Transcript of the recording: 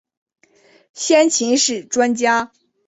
先秦史专家。